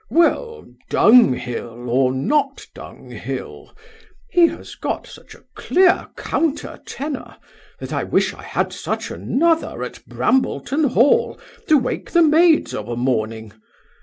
'Well, dunghill, or not dunghill, he has got such a clear counter tenor, that I wish I had such another at Brambleton hall, to wake the maids of a morning.